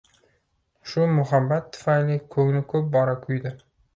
Shu muhabbat tufayli ko‘ngli ko‘p bora kuydi.